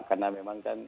karena memang kan